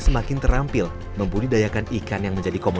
saat musim kemarau